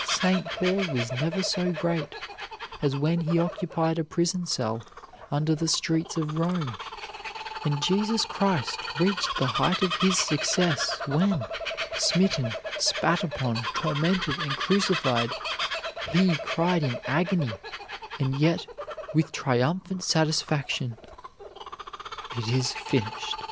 St. Paul was never so great as when he occupied a prison cell under the streets of Rome; and Jesus Christ reached the height of His success when, smitten, spat upon, tormented, and crucified, He cried in agony, and yet with triumphant satisfaction, "It is finished."